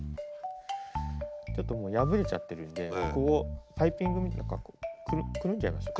ちょっともう破れちゃってるんでここをパイピングみたいにくるんじゃいましょう。